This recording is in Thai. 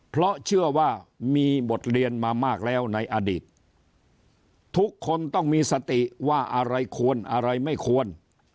เพราะเชื่อว่ามีบทเรียนมามากแล้วในอดีตทุกคนต้องมีสติว่าอะไรควรอะไรไม่ควร